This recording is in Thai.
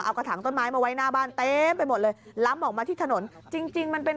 เอากระถางต้นไม้มาไว้หน้าบ้านเต็มไปหมดเลยล้ำออกมาที่ถนนจริงจริงมันเป็น